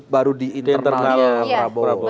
baru di internalnya prabowo